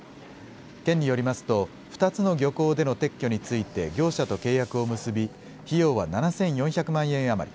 県によりますと２つの漁港での撤去について業者と契約を結び費用は７４００万円余り。